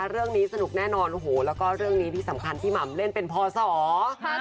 เรื่องนี้สนุกแน่นอนโอ้โหแล้วก็เรื่องนี้ที่สำคัญพี่หม่ำเล่นเป็นพศ